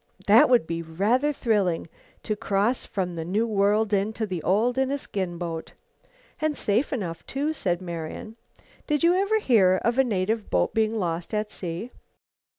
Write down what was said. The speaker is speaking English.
"That would be rather thrilling to cross from the new world into the old in a skin boat." "And safe enough too," said Marian. "Did you ever hear of a native boat being lost at sea?"